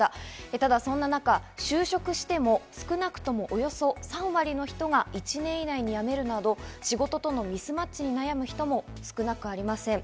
ただそんな中、就職しても少なくとも、およそ３割の人が１年以内に辞めるなど、仕事とのミスマッチに悩む人も少なくありません。